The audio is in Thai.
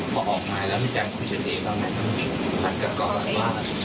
พอออกมาแล้วมีแก่งคุณเฉยแล้วไหมคุณฝั่งกับกรอบแล้ว